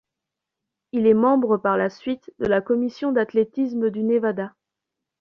Il est membre par la suite de la commission d’athlétisme du Nevada.